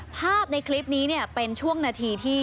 ภาพในคลิปนี้เป็นช่วงนาทีที่